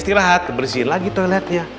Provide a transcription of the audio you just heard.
istirahat bersihin lagi toiletnya